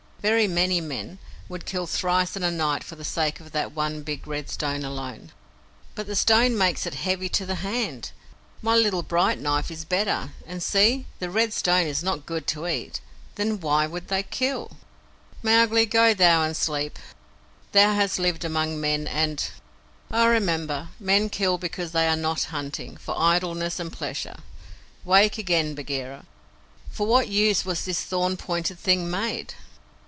Very many men would kill thrice in a night for the sake of that one big red stone alone." "But the stone makes it heavy to the hand. My little bright knife is better; and see! the red stone is not good to eat. Then WHY would they kill?" "Mowgli, go thou and sleep. Thou hast lived among men, and " "I remember. Men kill because they are not hunting; for idleness and pleasure. Wake again, Bagheera. For what use was this thorn pointed thing made?"